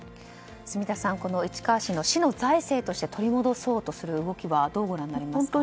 住田さん、市川市の市の財政として取り戻そうとする動きはどうご覧になりますか？